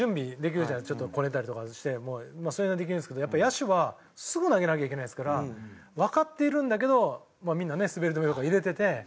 ちょっとこねたりとかしてそれができるんですけどやっぱ野手はすぐ投げなきゃいけないですからわかっているんだけどみんな滑り止めとか入れてて。